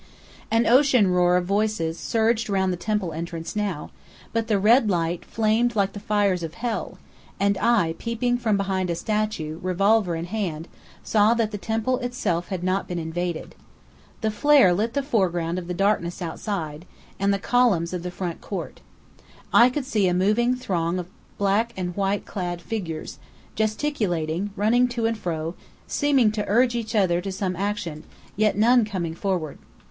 An ocean roar of voices surged round the temple entrance now; but the red light flamed like the fires of hell, and I, peeping from behind a statue, revolver in hand, saw that the temple itself had not been invaded. The flare lit the foreground of the darkness outside, and the columns of the front court. I could see a moving throng of white and black clad figures, gesticulating, running to and fro, seeming to urge each other to some action, yet none coming forward.